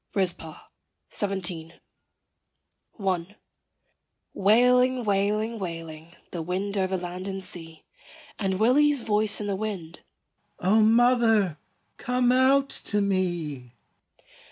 JEAN INGELOW. RIZPAH. 17 . I. Wailing, wailing, wailing, the wind over land and sea And Willy's voice in the wind, "O mother, come out to me."